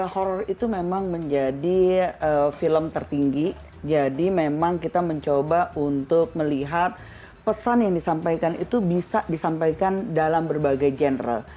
horror itu memang menjadi film tertinggi jadi memang kita mencoba untuk melihat pesan yang disampaikan itu bisa disampaikan dalam berbagai general